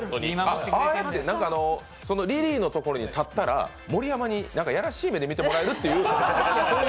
何かそのリリーのところに立ったら、盛山にいやらしい目で見てもらえるっていう。